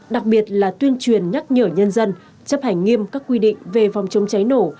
đặc biệt là tuyên truyền nhắc nhở nhân dân chấp hành nghiêm các quy định về phòng chống cháy nổ